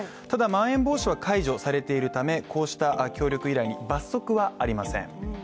ただまん延防止は解除されているためこうした協力依頼に罰則はありません。